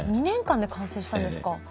２年間で完成したんですか？